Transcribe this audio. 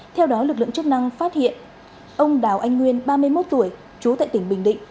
theo đó lực lượng chức năng phát hiện ông đào anh nguyên ba mươi một tuổi trú tại tỉnh bình định